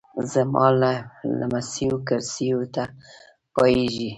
زما لمسیو کړوسیو ته پاتیږي